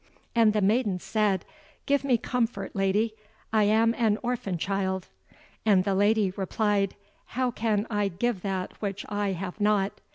And the maiden said, "Give me comfort, Lady, I am an orphan child." And the Lady replied, "How can I give that which I have not?